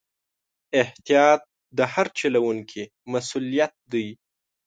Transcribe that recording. احتیاط د هر چلوونکي مسؤلیت دی.